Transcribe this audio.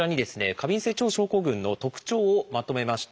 過敏性腸症候群の特徴をまとめました。